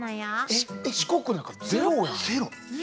えっ四国なんかゼロやん。